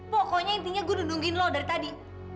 pokoknya intinya gue udah nunggin lo dari tadi